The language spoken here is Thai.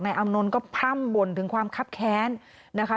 บอกไหนอำนลนต์ก็พร่ำบ่นถึงความคับแค้นนะคะ